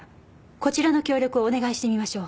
こちらの協力をお願いしてみましょう。